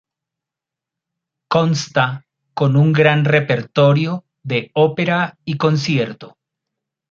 Consta con un gran repertorio de ópera y concierto.